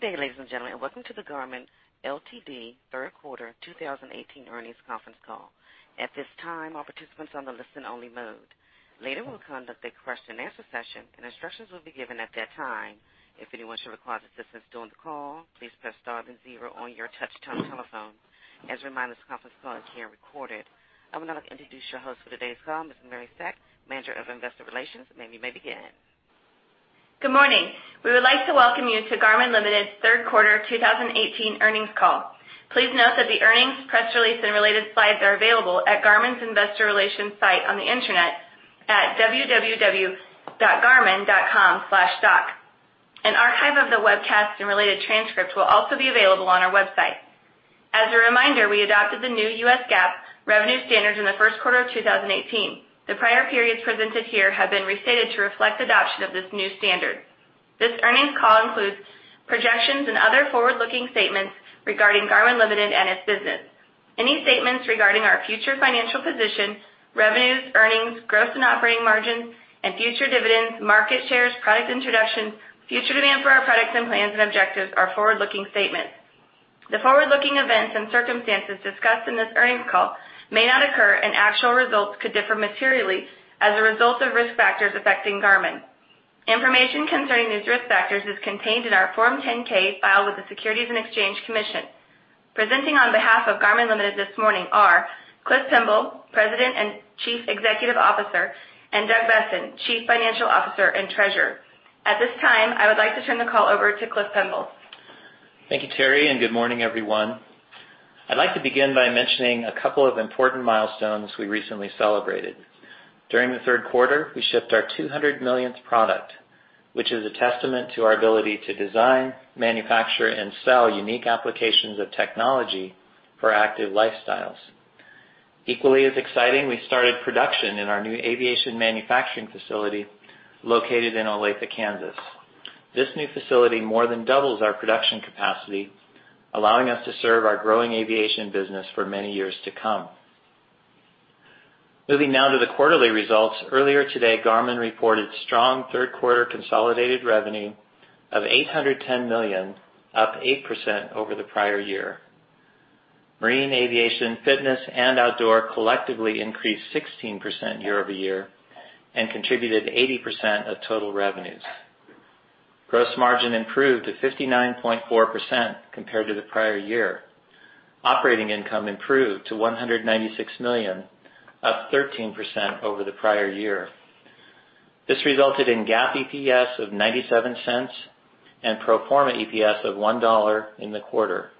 Good day, ladies and gentlemen, and welcome to the Garmin Ltd. Third Quarter 2018 Earnings Conference Call. At this time, all participants are on the listen only mode. Later, we'll conduct a question and answer session, and instructions will be given at that time. If anyone should require assistance during the call, please press star then zero on your touchtone telephone. As a reminder, this conference call is being recorded. I would now like to introduce your host for today's call, Ms. Teri Seck, Manager of Investor Relations. Teri, you may begin. Good morning. We would like to welcome you to Garmin Limited's third quarter 2018 earnings call. Please note that the earnings, press release, and related slides are available at Garmin's Investor Relations site on the Internet at www.garmin.com/stock. An archive of the webcast and related transcript will also be available on our website. As a reminder, we adopted the new U.S. GAAP revenue standards in the first quarter of 2018. The prior periods presented here have been restated to reflect adoption of this new standard. This earnings call includes projections and other forward-looking statements regarding Garmin Limited and its business. Any statements regarding our future financial position, revenues, earnings, gross and operating margins, and future dividends, market shares, product introductions, future demand for our products and plans and objectives are forward-looking statements. The forward-looking events and circumstances discussed in this earnings call may not occur, and actual results could differ materially as a result of risk factors affecting Garmin. Information concerning these risk factors is contained in our Form 10-K filed with the Securities and Exchange Commission. Presenting on behalf of Garmin Limited this morning are Cliff Pemble, President and Chief Executive Officer, and Doug Boessen, Chief Financial Officer and Treasurer. At this time, I would like to turn the call over to Cliff Pemble. Thank you, Teri, and good morning, everyone. I'd like to begin by mentioning a couple of important milestones we recently celebrated. During the third quarter, we shipped our 200 millionth product, which is a testament to our ability to design, manufacture, and sell unique applications of technology for active lifestyles. Equally as exciting, we started production in our new aviation manufacturing facility located in Olathe, Kansas. This new facility more than doubles our production capacity, allowing us to serve our growing aviation business for many years to come. Moving now to the quarterly results. Earlier today, Garmin reported strong third quarter consolidated revenue of $810 million, up 8% over the prior year. Marine, aviation, fitness, and outdoor collectively increased 16% year-over-year and contributed 80% of total revenues. Gross margin improved to 59.4% compared to the prior year. Operating income improved to $196 million, up 13% over the prior year. This resulted in GAAP EPS of $0.97 and pro forma EPS of $1 in the quarter.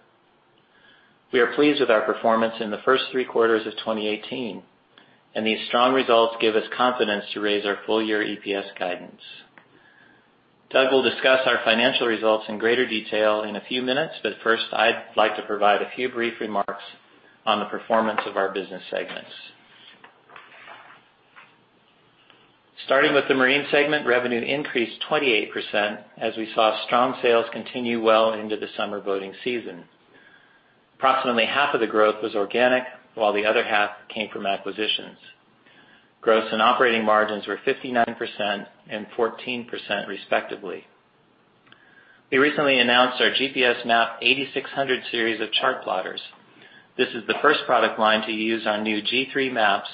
We are pleased with our performance in the first three quarters of 2018. These strong results give us confidence to raise our full year EPS guidance. Doug will discuss our financial results in greater detail in a few minutes. First, I'd like to provide a few brief remarks on the performance of our business segments. Starting with the Marine segment, revenue increased 28% as we saw strong sales continue well into the summer boating season. Approximately half of the growth was organic, while the other half came from acquisitions. Gross and operating margins were 59% and 14%, respectively. We recently announced our GPSMAP 8600 series of chart plotters. This is the first product line to use our new g3 maps,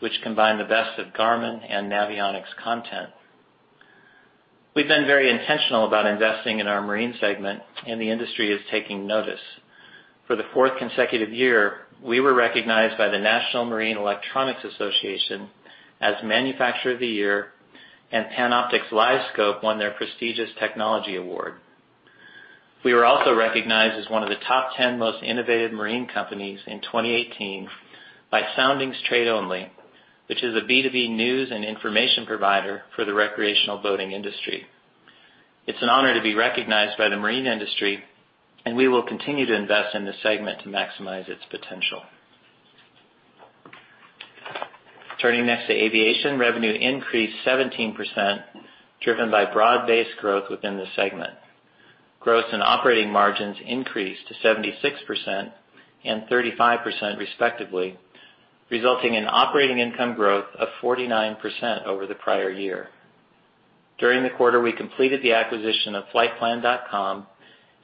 which combine the best of Garmin and Navionics content. We've been very intentional about investing in our Marine segment. The industry is taking notice. For the fourth consecutive year, we were recognized by the National Marine Electronics Association as Manufacturer of the Year. Panoptix LiveScope won their prestigious technology award. We were also recognized as one of the top 10 most innovative marine companies in 2018 by Soundings Trade Only, which is a B2B news and information provider for the recreational boating industry. It's an honor to be recognized by the marine industry, and we will continue to invest in this segment to maximize its potential. Turning next to Aviation, revenue increased 17%, driven by broad-based growth within the segment. Gross and operating margins increased to 76% and 35%, respectively, resulting in operating income growth of 49% over the prior year. During the quarter, we completed the acquisition of fltplan.com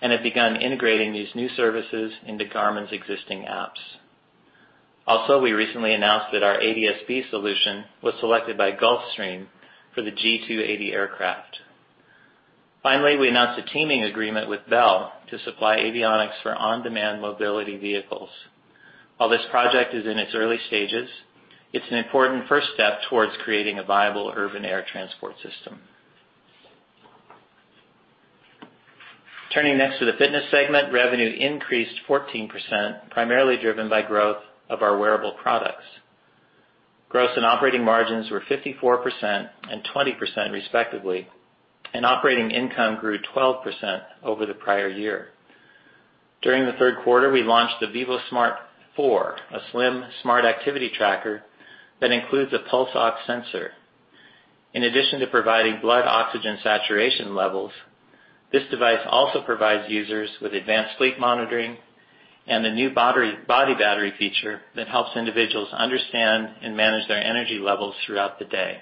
and have begun integrating these new services into Garmin's existing apps. Also, we recently announced that our ADS-B solution was selected by Gulfstream for the G280 aircraft. Finally, we announced a teaming agreement with Bell to supply avionics for on-demand mobility vehicles. While this project is in its early stages, it's an important first step towards creating a viable urban air transport system. Turning next to the Fitness segment, revenue increased 14%, primarily driven by growth of our wearable products. Gross and operating margins were 54% and 20%, respectively. Operating income grew 12% over the prior year. During the third quarter, we launched the vívosmart 4, a slim, smart activity tracker that includes a Pulse Ox sensor. In addition to providing blood oxygen saturation levels, this device also provides users with advanced sleep monitoring and a new body battery feature that helps individuals understand and manage their energy levels throughout the day.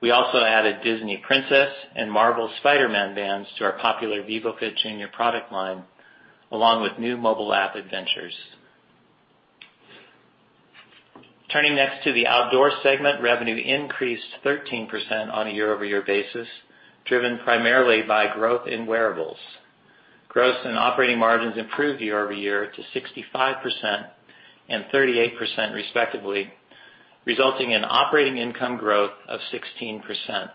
We also added Disney Princess and Marvel Spider-Man bands to our popular vívofit jr. product line, along with new mobile app adventures. Turning next to the Outdoor segment, revenue increased 13% on a year-over-year basis, driven primarily by growth in wearables. Gross and operating margins improved year-over-year to 65% and 38%, respectively, resulting in operating income growth of 16%.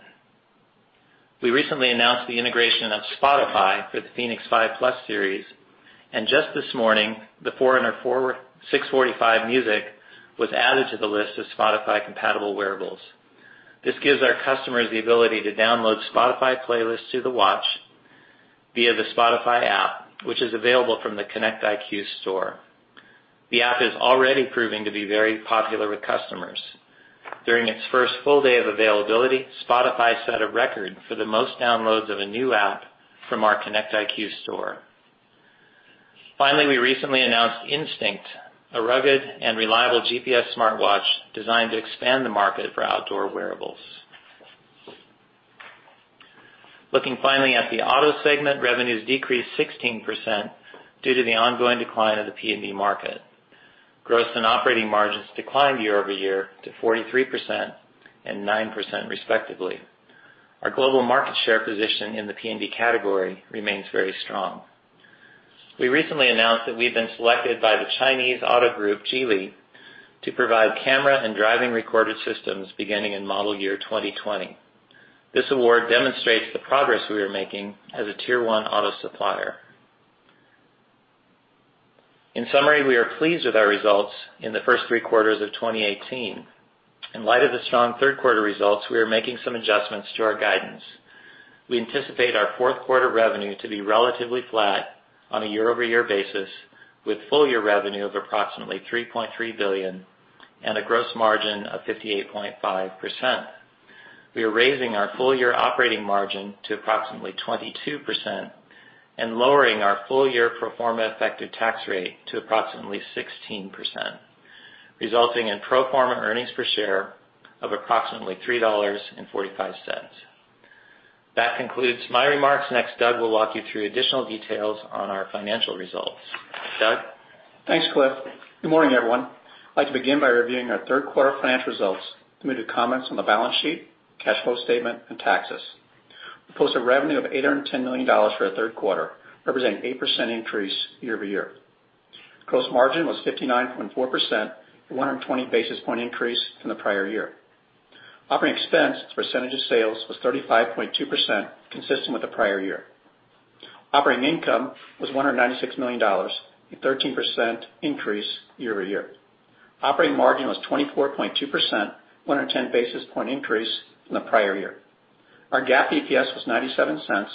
We recently announced the integration of Spotify for the fēnix 5 Plus series. Just this morning, the Forerunner 645 Music was added to the list of Spotify-compatible wearables. This gives our customers the ability to download Spotify playlists to the watch via the Spotify app, which is available from the Connect IQ store. The app is already proving to be very popular with customers. During its first full day of availability, Spotify set a record for the most downloads of a new app from our Connect IQ store. Finally, we recently announced Instinct, a rugged and reliable GPS smartwatch designed to expand the market for outdoor wearables. Looking finally at the auto segment, revenues decreased 16% due to the ongoing decline of the PND market. Gross and operating margins declined year-over-year to 43% and 9%, respectively. Our global market share position in the PND category remains very strong. We recently announced that we've been selected by the Chinese auto group, Geely, to provide camera and driving recorded systems beginning in model year 2020. This award demonstrates the progress we are making as a tier 1 auto supplier. In summary, we are pleased with our results in the first three quarters of 2018. In light of the strong third quarter results, we are making some adjustments to our guidance. We anticipate our fourth quarter revenue to be relatively flat on a year-over-year basis, with full-year revenue of approximately $3.3 billion and a gross margin of 58.5%. We are raising our full-year operating margin to approximately 22% and lowering our full-year pro forma effective tax rate to approximately 16%, resulting in pro forma earnings per share of approximately $3.45. That concludes my remarks. Next, Doug will walk you through additional details on our financial results. Doug? Thanks, Cliff. Good morning, everyone. I'd like to begin by reviewing our third quarter financial results, then we do comments on the balance sheet, cash flow statement, and taxes. We posted revenue of $810 million for our third quarter, representing 8% increase year-over-year. Gross margin was 59.4%, a 120 basis point increase from the prior year. Operating expense as a percentage of sales was 35.2%, consistent with the prior year. Operating income was $196 million, a 13% increase year-over-year. Operating margin was 24.2%, a 110 basis point increase from the prior year. Our GAAP EPS was $0.97.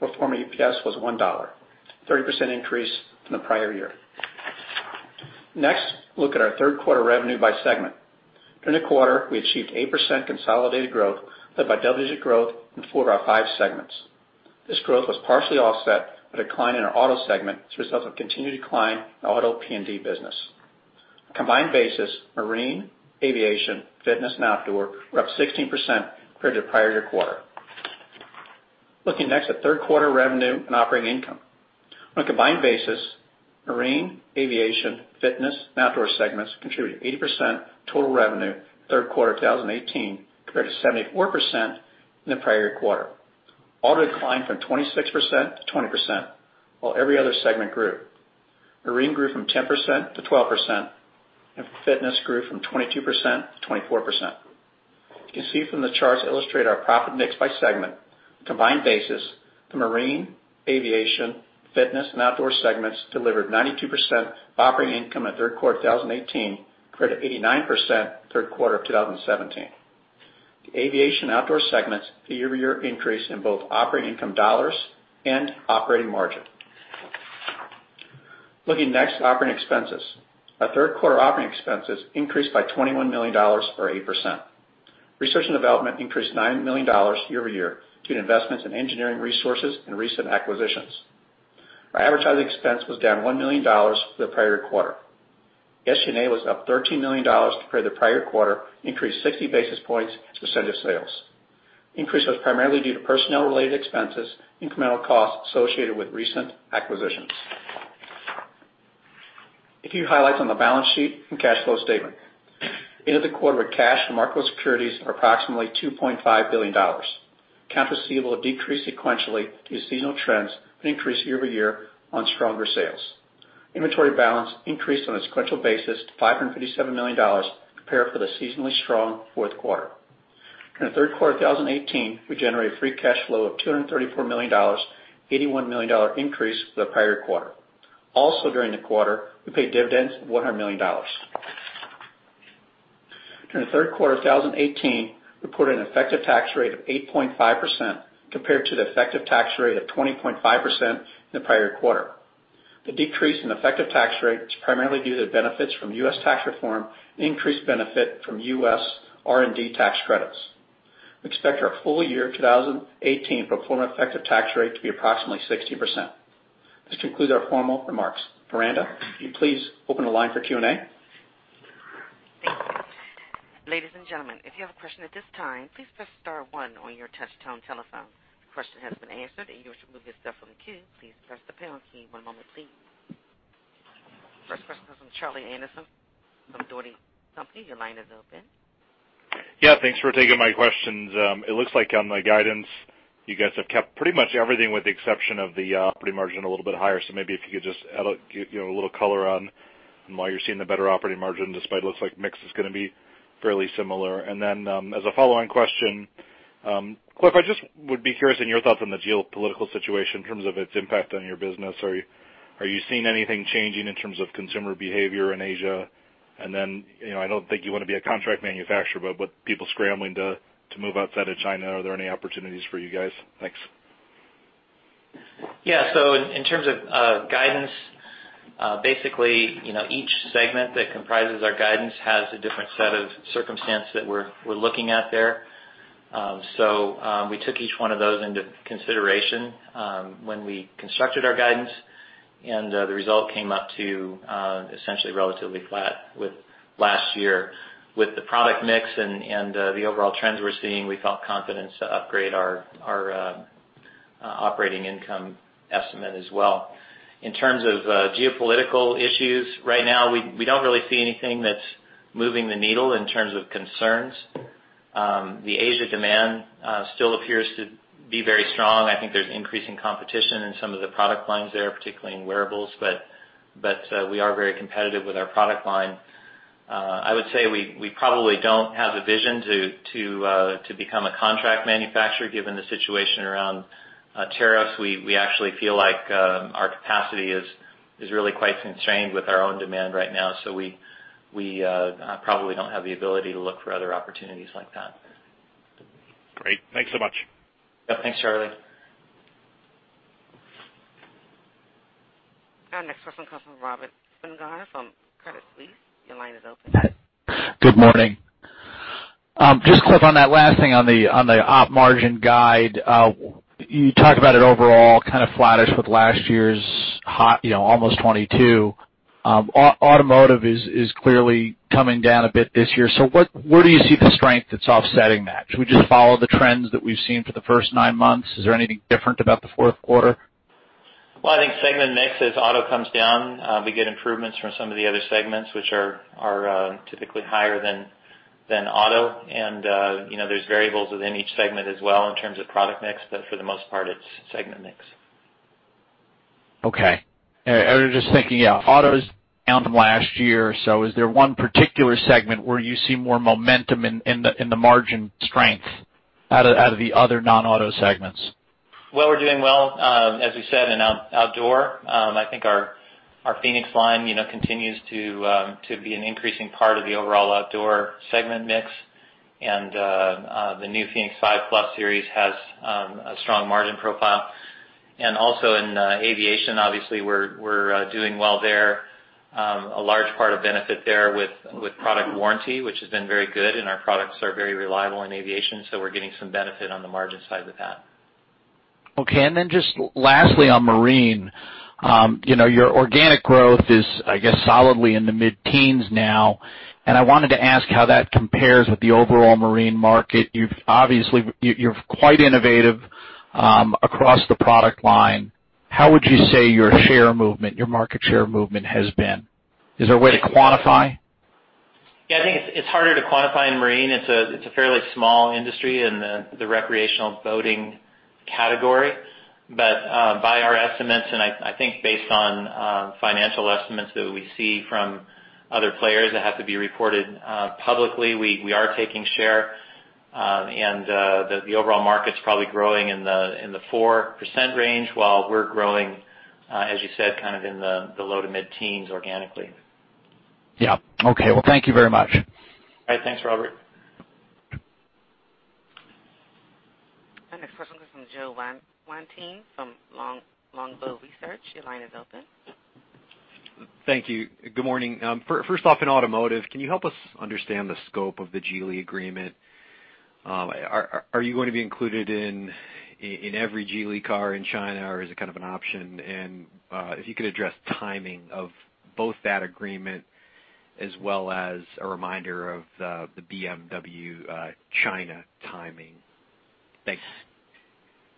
Pro forma EPS was $1, a 30% increase from the prior year. Next, look at our third quarter revenue by segment. During the quarter, we achieved 8% consolidated growth, led by double-digit growth in four out of five segments. This growth was partially offset by decline in our auto segment as a result of continued decline in auto PND business. On a combined basis, marine, aviation, fitness, and outdoor were up 16% compared to prior year quarter. Looking next at third quarter revenue and operating income. On a combined basis, marine, aviation, fitness, and outdoor segments contributed 80% of total revenue third quarter 2018, compared to 74% in the prior quarter. Auto declined from 26%-20%, while every other segment grew. Marine grew from 10%-12%, and fitness grew from 22%-24%. You can see from the charts that illustrate our profit mix by segment. Combined basis, the marine, aviation, fitness, and outdoor segments delivered 92% operating income in the third quarter of 2018, compared to 89% third quarter of 2017. The aviation and outdoor segments figure year increase in both operating income $ and operating margin. Looking next at operating expenses. Our third quarter operating expenses increased by $21 million, or 8%. Research and development increased $9 million year-over-year due to investments in engineering resources and recent acquisitions. Our advertising expense was down $1 million from the prior quarter. SG&A was up $13 million compared to the prior quarter, increased 60 basis points as a percent of sales. Increase was primarily due to personnel-related expenses, incremental costs associated with recent acquisitions. A few highlights on the balance sheet and cash flow statement. Ended the quarter with cash and marketable securities of approximately $2.5 billion. Account receivable decreased sequentially due to seasonal trends and increased year-over-year on stronger sales. Inventory balance increased on a sequential basis to $557 million to prepare for the seasonally strong fourth quarter. During the third quarter of 2018, we generated free cash flow of $234 million, an $81 million increase to the prior quarter. Also during the quarter, we paid dividends of $100 million. During the third quarter of 2018, we put an effective tax rate of 8.5% compared to the effective tax rate of 20.5% in the prior quarter. The decrease in effective tax rate is primarily due to the benefits from U.S. tax reform and increased benefit from U.S. R&D tax credits. We expect our full year 2018 pro forma effective tax rate to be approximately 60%. This concludes our formal remarks. Miranda, can you please open the line for Q&A? Thank you. Ladies and gentlemen, if you have a question at this time, please press star one on your touch-tone telephone. If your question has been answered and you wish to remove yourself from the queue, please press the pound key. One moment, please. First question comes from Charlie Anderson from Dougherty & Company. Your line is open. Thanks for taking my questions. It looks like on the guidance, you guys have kept pretty much everything with the exception of the operating margin a little bit higher. Maybe if you could just add a little color on why you're seeing the better operating margin, despite it looks like mix is going to be fairly similar. As a follow-on question, Cliff, I just would be curious in your thoughts on the geopolitical situation in terms of its impact on your business. Are you seeing anything changing in terms of consumer behavior in Asia? I don't think you want to be a contract manufacturer, but with people scrambling to move outside of China, are there any opportunities for you guys? Thanks. Yeah. In terms of guidance, basically, each segment that comprises our guidance has a different set of circumstances that we're looking at there. We took each one of those into consideration when we constructed our guidance, and the result came up to essentially relatively flat with last year. With the product mix and the overall trends we're seeing, we felt confidence to upgrade our operating income estimate as well. In terms of geopolitical issues, right now, we don't really see anything that's moving the needle in terms of concerns. The Asia demand still appears to be very strong. I think there's increasing competition in some of the product lines there, particularly in wearables, but we are very competitive with our product line. I would say we probably don't have a vision to become a contract manufacturer given the situation around tariffs. We actually feel like our capacity is really quite constrained with our own demand right now. We probably don't have the ability to look for other opportunities like that. Great. Thanks so much. Yeah. Thanks, Charlie. Our next question comes from Robert Spingarn from Credit Suisse. Your line is open. Good morning. Just, Cliff, on that last thing on the op margin guide, you talked about it overall kind of flattish with last year's almost 22. Automotive is clearly coming down a bit this year. Where do you see the strength that's offsetting that? Should we just follow the trends that we've seen for the first nine months? Is there anything different about the fourth quarter? Well, I think segment mix, as auto comes down, we get improvements from some of the other segments, which are typically higher than auto. There's variables within each segment as well in terms of product mix, for the most part, it's segment mix. Okay. I was just thinking, yeah, auto's down from last year. Is there one particular segment where you see more momentum in the margin strength out of the other non-auto segments? Well, we're doing well, as we said, in outdoor. I think our fēnix line continues to be an increasing part of the overall outdoor segment mix. The new fēnix 5 Plus series has a strong margin profile. Also in aviation, obviously, we're doing well there. A large part of benefit there with product warranty, which has been very good, and our products are very reliable in aviation. We're getting some benefit on the margin side with that. Okay. Just lastly, on marine. Your organic growth is, I guess, solidly in the mid-teens now. I wanted to ask how that compares with the overall marine market. Obviously, you're quite innovative across the product line. How would you say your share movement, your market share movement has been? Is there a way to quantify? Yeah, I think it's harder to quantify in marine. It's a fairly small industry in the recreational boating category. By our estimates, and I think based on financial estimates that we see from other players that have to be reported publicly, we are taking share. The overall market's probably growing in the 4% range, while we're growing, as you said, kind of in the low to mid-teens organically. Yeah. Okay. Well, thank you very much. All right. Thanks, Robert. Our next question comes from Joe Wittine from Longbow Research. Your line is open. Thank you. Good morning. First off, in automotive, can you help us understand the scope of the Geely agreement? Are you going to be included in every Geely car in China, or is it kind of an option? If you could address timing of both that agreement as well as a reminder of the BMW China timing.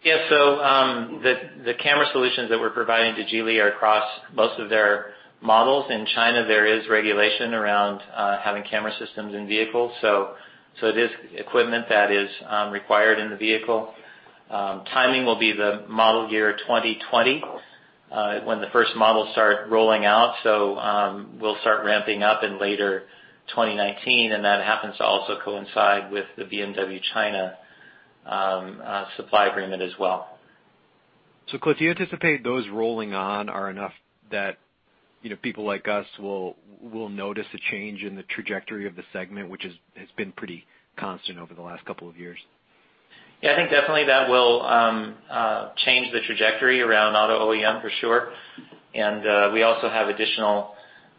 Thanks. The camera solutions that we're providing to Geely are across most of their models. In China, there is regulation around having camera systems in vehicles, so it is equipment that is required in the vehicle. Timing will be the model year 2020, when the first models start rolling out. We'll start ramping up in later 2019, and that happens to also coincide with the BMW China supply agreement as well. Cliff, do you anticipate those rolling on are enough that people like us will notice a change in the trajectory of the segment, which has been pretty constant over the last couple of years? I think definitely that will change the trajectory around auto OEM for sure. We also have additional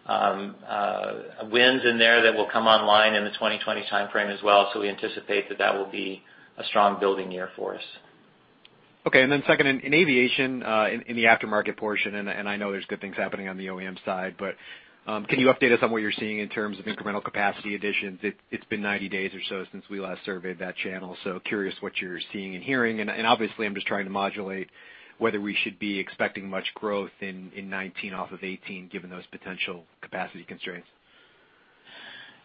wins in there that will come online in the 2020 timeframe as well. We anticipate that will be a strong building year for us. Second, in aviation, in the aftermarket portion, I know there's good things happening on the OEM side, can you update us on what you're seeing in terms of incremental capacity additions? It's been 90 days or so since we last surveyed that channel, curious what you're seeing and hearing. Obviously, I'm just trying to modulate whether we should be expecting much growth in 2019 off of 2018, given those potential capacity constraints.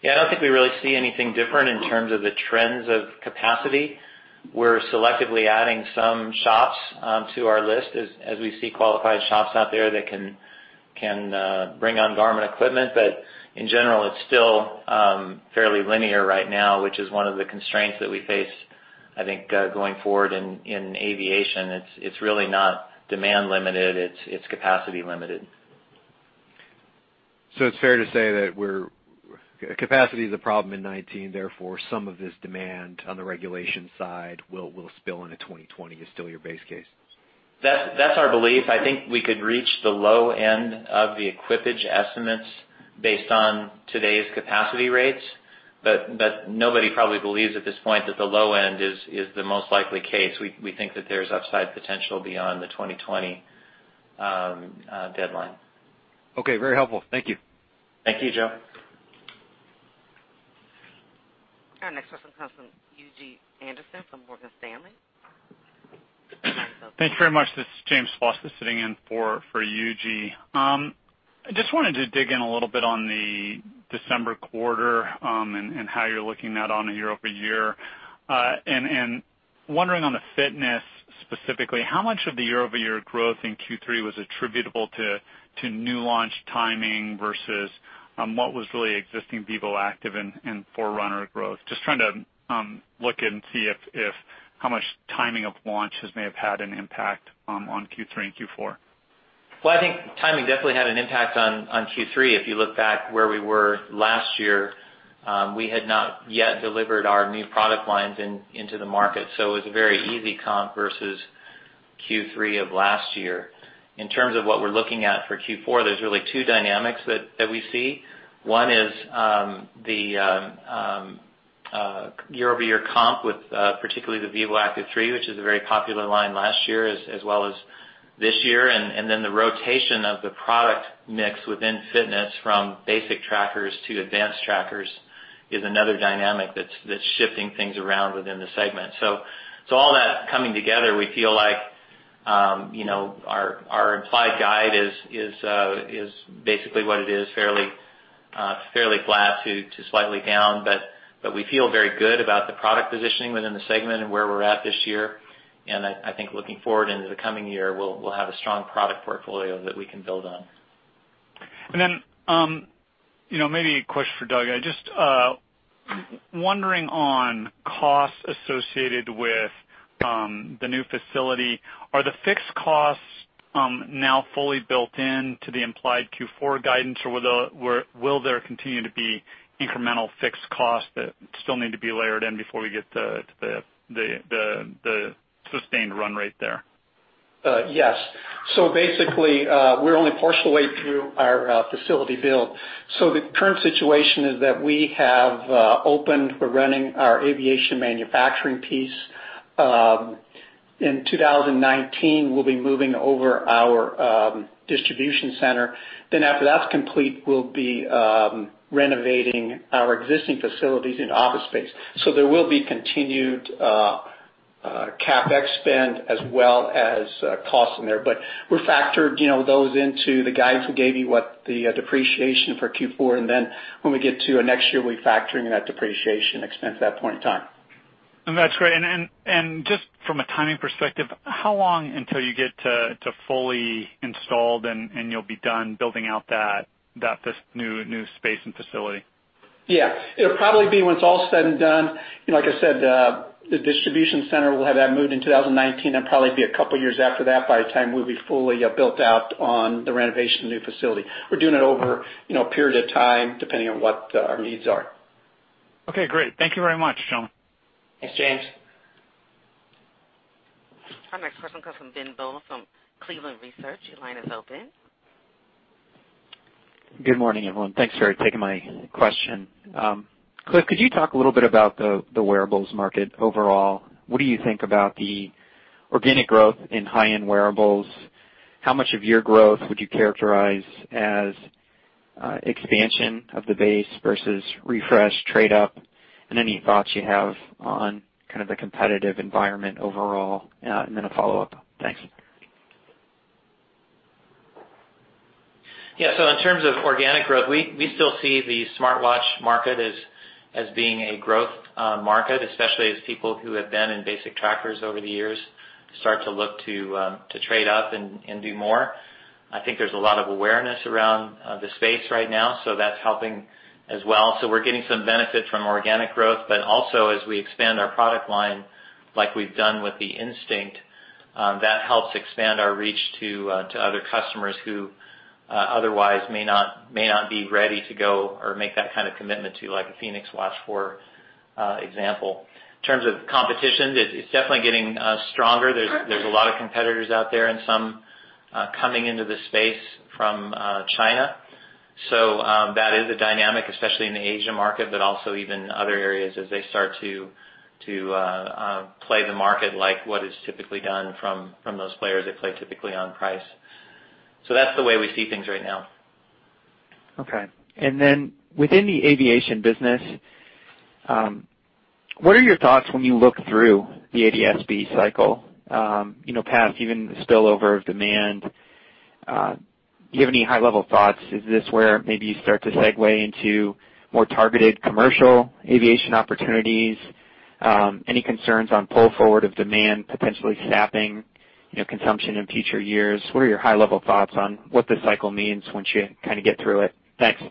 I don't think we really see anything different in terms of the trends of capacity. We're selectively adding some shops to our list as we see qualified shops out there that can bring on Garmin equipment. In general, it's still fairly linear right now, which is one of the constraints that we face, I think, going forward in aviation. It's really not demand limited, it's capacity limited. It's fair to say that capacity is a problem in 2019, therefore, some of this demand on the regulation side will spill into 2020, is still your base case? That's our belief. I think we could reach the low end of the equippage estimates based on today's capacity rates, nobody probably believes at this point that the low end is the most likely case. We think that there's upside potential beyond the 2020 deadline. Okay. Very helpful. Thank you. Thank you, Joe. Our next question comes from Eugenie Anderson from Morgan Stanley. Your line is open. Thanks very much. This is James Faucette sitting in for Eugenie. I just wanted to dig in a little bit on the December quarter and how you're looking at on a year-over-year. Wondering on the fitness specifically, how much of the year-over-year growth in Q3 was attributable to new launch timing versus what was really existing vívoactive and Forerunner growth? Just trying to look and see how much timing of launches may have had an impact on Q3 and Q4. Well, I think timing definitely had an impact on Q3. If you look back where we were last year, we had not yet delivered our new product lines into the market, so it was a very easy comp versus Q3 of last year. In terms of what we're looking at for Q4, there's really two dynamics that we see. One is the year-over-year comp with particularly the vívoactive 3, which was a very popular line last year as well as this year. Then the rotation of the product mix within fitness from basic trackers to advanced trackers is another dynamic that's shifting things around within the segment. All that coming together, we feel like our implied guide is basically what it is, fairly flat to slightly down. We feel very good about the product positioning within the segment and where we're at this year. I think looking forward into the coming year, we'll have a strong product portfolio that we can build on. Maybe a question for Doug. I'm just wondering on costs associated with the new facility. Are the fixed costs now fully built in to the implied Q4 guidance, or will there continue to be incremental fixed costs that still need to be layered in before we get to the sustained run rate there? Yes. Basically, we're only partially through our facility build. The current situation is that we have opened, we're running our aviation manufacturing piece. In 2019, we'll be moving over our distribution center. After that's complete, we'll be renovating our existing facilities into office space. There will be continued CapEx spend as well as costs in there. We factored those into the guides we gave you, what the depreciation for Q4, when we get to next year, we'll be factoring in that depreciation expense at that point in time. That's great. Just from a timing perspective, how long until you get to fully installed and you'll be done building out this new space and facility? Yeah. It'll probably be, once it's all said and done, like I said, the distribution center, we'll have that moved in 2019. It'll probably be a couple years after that by the time we'll be fully built out on the renovation of the new facility. We're doing it over a period of time, depending on what our needs are. Okay, great. Thank you very much, gentlemen. Thanks, James. Our next question comes from Ben Bollin from Cleveland Research. Your line is open. Good morning, everyone. Thanks for taking my question. Cliff, could you talk a little bit about the wearables market overall? What do you think about the organic growth in high-end wearables? How much of your growth would you characterize as expansion of the base versus refresh, trade up? Any thoughts you have on kind of the competitive environment overall? Then a follow-up. Thanks. Yeah. In terms of organic growth, we still see the smartwatch market as being a growth market, especially as people who have been in basic trackers over the years start to look to trade up and do more. I think there's a lot of awareness around the space right now, so that's helping as well. We're getting some benefit from organic growth, but also as we expand our product line, like we've done with the Instinct, that helps expand our reach to other customers who otherwise may not be ready to go or make that kind of commitment to a fēnix watch for example. In terms of competition, it's definitely getting stronger. There's a lot of competitors out there and some coming into the space from China. That is a dynamic, especially in the Asian market, but also even other areas as they start to play the market, like what is typically done from those players that play typically on price. That's the way we see things right now. Okay. Within the aviation business, what are your thoughts when you look through the ADS-B cycle, past even the spillover of demand? Do you have any high-level thoughts? Is this where maybe you start to segue into more targeted commercial aviation opportunities? Any concerns on pull forward of demand potentially sapping consumption in future years? What are your high-level thoughts on what this cycle means once you get through it? Thanks.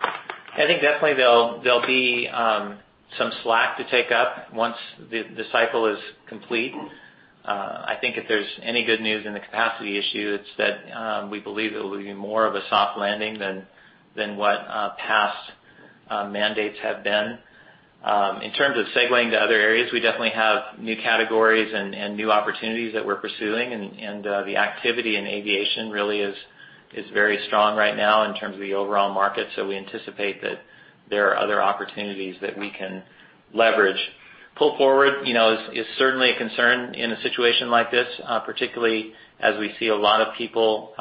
I think definitely there'll be some slack to take up once the cycle is complete. I think if there's any good news in the capacity issue, it's that we believe it will be more of a soft landing than what past mandates have been. In terms of segueing to other areas, we definitely have new categories and new opportunities that we're pursuing, and the activity in aviation really is very strong right now in terms of the overall market. We anticipate that there are other opportunities that we can leverage. Pull forward is certainly a concern in a situation like this, particularly as we see a lot of people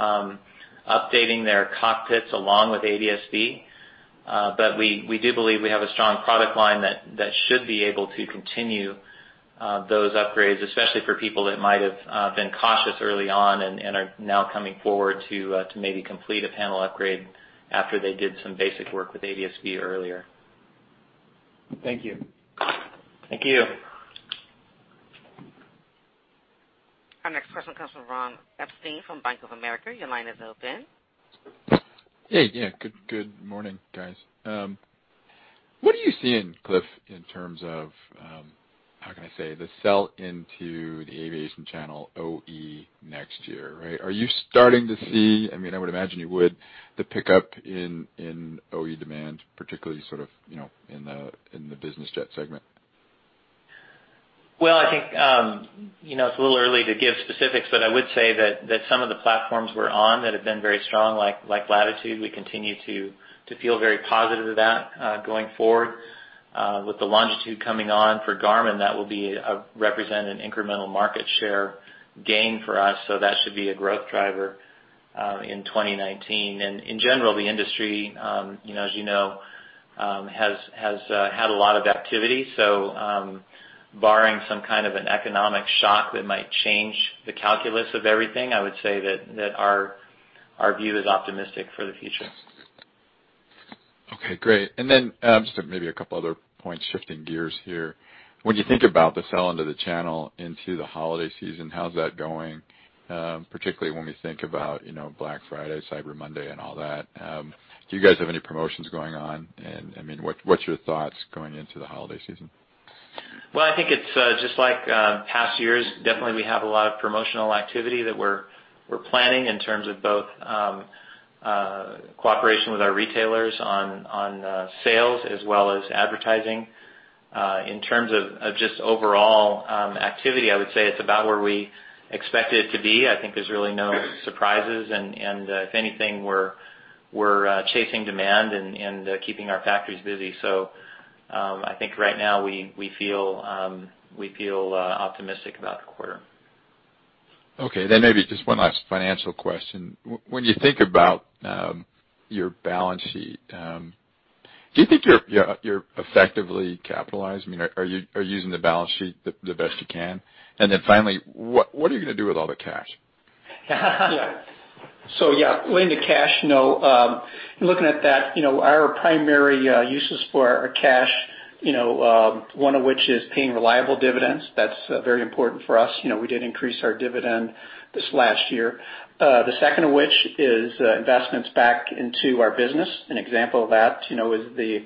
updating their cockpits along with ADS-B. We do believe we have a strong product line that should be able to continue those upgrades, especially for people that might have been cautious early on and are now coming forward to maybe complete a panel upgrade after they did some basic work with ADS-B earlier. Thank you. Thank you. Our next question comes from Ron Epstein from Bank of America. Your line is open. Hey. Yeah. Good morning, guys. What are you seeing, Cliff, in terms of, how can I say, the sell into the aviation channel OE next year? Are you starting to see, I would imagine you would, the pickup in OE demand, particularly in the business jet segment? Well, I think it's a little early to give specifics. I would say that some of the platforms we're on that have been very strong, like Latitude, we continue to feel very positive about going forward. With the Longitude coming on for Garmin, that will represent an incremental market share gain for us. That should be a growth driver in 2019. In general, the industry, as you know, has had a lot of activity. Barring some kind of an economic shock that might change the calculus of everything, I would say that our view is optimistic for the future. Okay. Great. Just maybe a couple other points, shifting gears here. When you think about the sell into the channel into the holiday season, how's that going? Particularly when we think about Black Friday, Cyber Monday and all that. Do you guys have any promotions going on? What's your thoughts going into the holiday season? I think it's just like past years. Definitely, we have a lot of promotional activity that we're planning in terms of both cooperation with our retailers on sales as well as advertising. In terms of just overall activity, I would say it's about where we expect it to be. I think there's really no surprises, and if anything, we're chasing demand and keeping our factories busy. I think right now we feel optimistic about the quarter. Okay. Maybe just one last financial question. When you think about your balance sheet, do you think you're effectively capitalized? Are you using the balance sheet the best you can? Finally, what are you going to do with all the cash? Going to cash. No. In looking at that, our primary uses for our cash, one of which is paying reliable dividends. That's very important for us. We did increase our dividend this last year. The second of which is investments back into our business. An example of that is the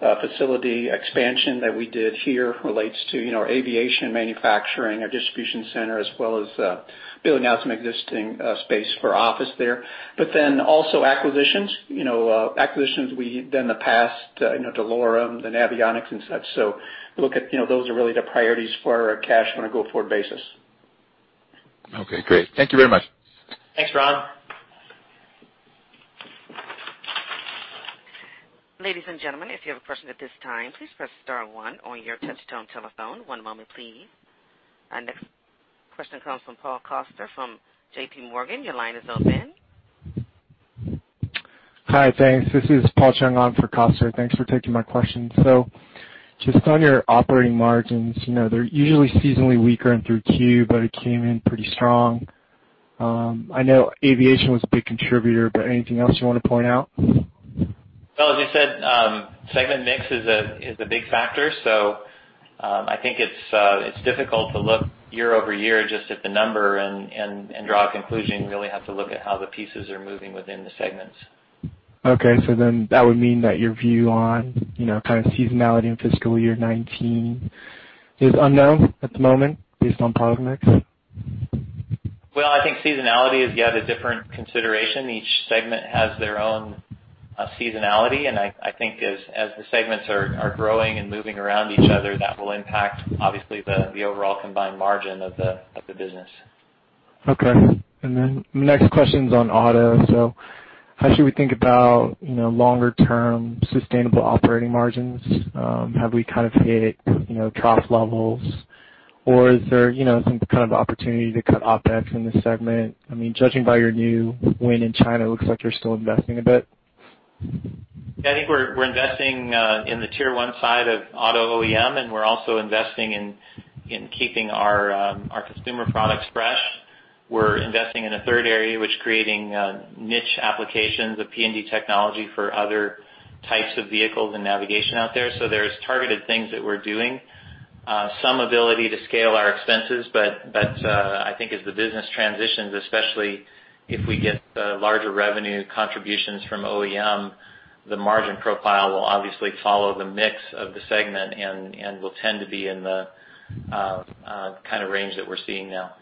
facility expansion that we did here relates to our aviation manufacturing, our distribution center, as well as building out some existing space for office there. Also acquisitions. Acquisitions we did in the past, DeLorme and Navionics and such. Look at those are really the priorities for our cash on a go-forward basis. Okay. Great. Thank you very much. Thanks, Ron. Ladies and gentlemen, if you have a question at this time, please press star one on your touch-tone telephone. One moment, please. Our next question comes from Paul Coster from JP Morgan. Your line is open. Hi. Thanks. This is Paul Cheng on for Coster. Thanks for taking my question. Just on your operating margins, they're usually seasonally weaker in through Q, but it came in pretty strong. I know aviation was a big contributor, but anything else you want to point out? Well, as you said, segment mix is a big factor. I think it's difficult to look year-over-year just at the number and draw a conclusion. You really have to look at how the pieces are moving within the segments. Okay. That would mean that your view on kind of seasonality in fiscal year 2019 is unknown at the moment based on product mix? Well, I think seasonality is yet a different consideration. Each segment has their own seasonality, and I think as the segments are growing and moving around each other, that will impact, obviously, the overall combined margin of the business. Okay. Next question's on auto. How should we think about longer-term sustainable operating margins? Have we kind of hit trough levels, or is there some kind of opportunity to cut OpEx in this segment? Judging by your new win in China, it looks like you're still investing a bit. I think we're investing in the tier 1 side of auto OEM, and we're also investing in keeping our consumer products fresh. We're investing in a third area, which is creating niche applications of PND technology for other types of vehicles and navigation out there. There's targeted things that we're doing. Some ability to scale our expenses, but I think as the business transitions, especially if we get larger revenue contributions from OEM, the margin profile will obviously follow the mix of the segment and will tend to be in the kind of range that we're seeing now.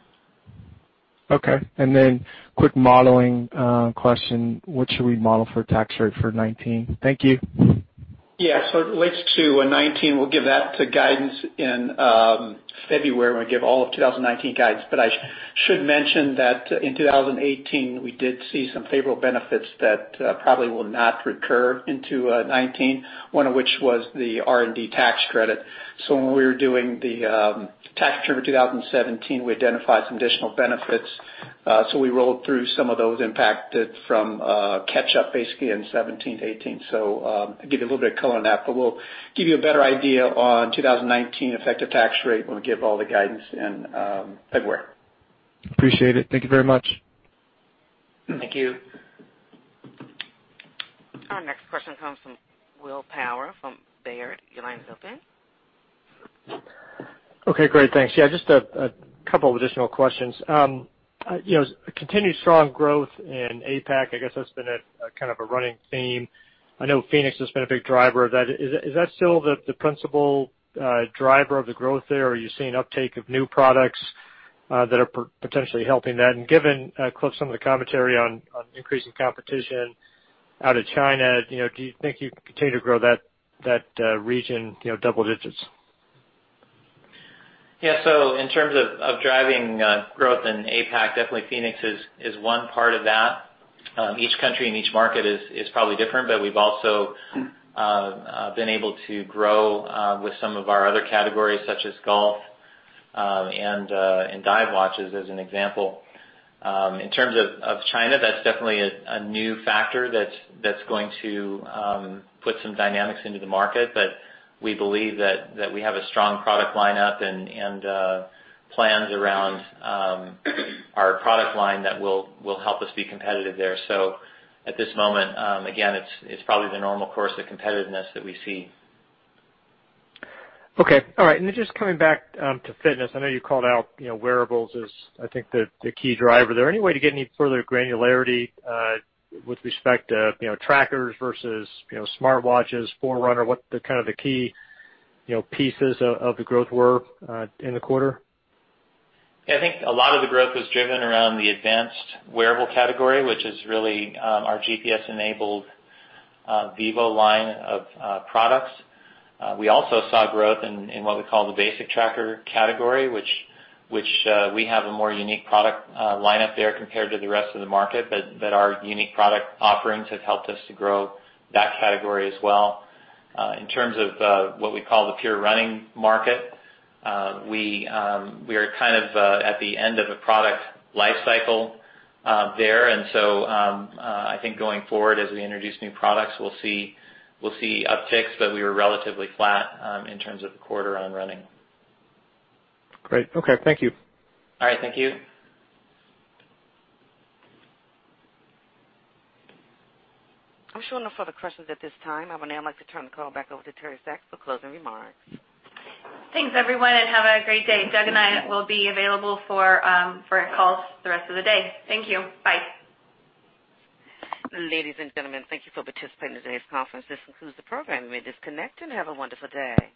Quick modeling question. What should we model for tax rate for 2019? Thank you. Yeah. It relates to 2019. We'll give that to guidance in February when we give all of 2019 guidance. I should mention that in 2018, we did see some favorable benefits that probably will not recur into 2019, one of which was the R&D tax credit. When we were doing the tax return for 2017, we identified some additional benefits. We rolled through some of those impacted from catch up basically in 2017 to 2018. I'll give you a little bit of color on that, but we'll give you a better idea on 2019 effective tax rate when we give all the guidance in February. Appreciate it. Thank you very much. Thank you. Our next question comes from William Power from Baird. Your line is open. Just a couple of additional questions. Continued strong growth in APAC, I guess that's been kind of a running theme. I know fēnix has been a big driver of that. Is that still the principal driver of the growth there, or are you seeing uptake of new products that are potentially helping that? Given, Cliff, some of the commentary on increasing competition out of China, do you think you can continue to grow that region double digits? In terms of driving growth in APAC, definitely fēnix is one part of that. Each country and each market is probably different. We've also been able to grow with some of our other categories, such as golf and dive watches, as an example. In terms of China, that's definitely a new factor that's going to put some dynamics into the market. We believe that we have a strong product lineup and plans around our product line that will help us be competitive there. At this moment, again, it's probably the normal course of competitiveness that we see. Okay. All right. Just coming back to fitness, I know you called out wearables as, I think, the key driver. Is there any way to get any further granularity with respect to trackers versus smartwatches, Forerunner, what the kind of the key pieces of the growth were in the quarter? I think a lot of the growth was driven around the advanced wearable category, which is really our GPS-enabled vívo line of products. We also saw growth in what we call the basic tracker category, which we have a more unique product lineup there compared to the rest of the market, but that our unique product offerings have helped us to grow that category as well. In terms of what we call the pure running market, we are kind of at the end of a product life cycle there. I think going forward, as we introduce new products, we'll see upticks. We were relatively flat in terms of the quarter on running. Great. Okay. Thank you. All right. Thank you. I'm showing no further questions at this time. I would now like to turn the call back over to Teri Seck for closing remarks. Thanks, everyone, and have a great day. Doug and I will be available for calls the rest of the day. Thank you. Bye. Ladies and gentlemen, thank you for participating in today's conference. This concludes the program. You may disconnect and have a wonderful day.